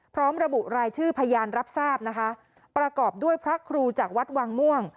พร้อมระบุรายชื่อพยานรับทราบนะคะประกอบด้วยพระครูจากวัดวังม่วง